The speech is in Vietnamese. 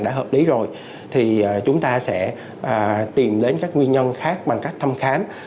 đã hợp lý rồi thì chúng ta sẽ tìm đến các nguyên nhân khác bằng cách thăm khám